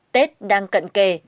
tết đang cận kề